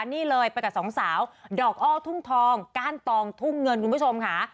นี่เลยไปกับสองสาวดอกอ้อทุ่งทองก้านตองทุ่งเงินคุณผู้ชมค่ะ